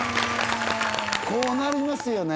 こうなりますよね。